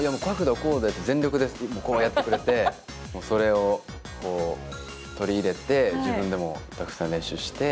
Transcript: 全力でやってくれて、それを取り入れて自分でもたくさん練習して。